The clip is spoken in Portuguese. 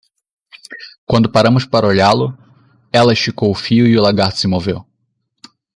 Quando paramos para olhá-lo, ela esticou o fio e o lagarto se moveu.